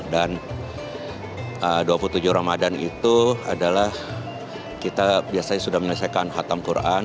dan dua puluh tujuh ramadan itu adalah kita biasanya sudah menyelesaikan hatam quran